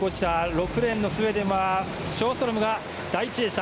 ６レーンのスウェーデンはショーストロムが第１泳者。